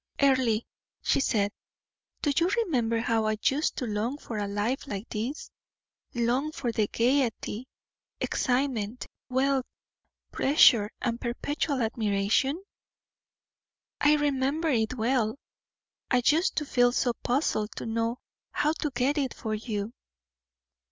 "Earle," she said, "do you remember how I used to long for a life like this? long for gayety, excitement, wealth, pleasure, and perpetual admiration?" "I remember it well. I used to feel so puzzled to know how to get it for you."